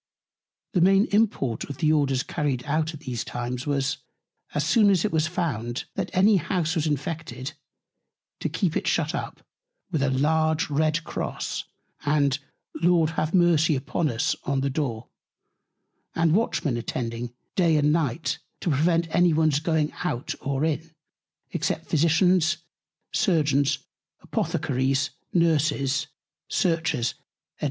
The main Import of the Orders issued out at these Times was, As soon as it was found, that any House was infected, to keep it shut up, with a large red Cross, and Lord have Mercy upon us on the Door; and Watchmen attending Day and Night to prevent any one's going in or out, except Physicians, Surgeons, Apothecaries, Nurses, Searchers, &c.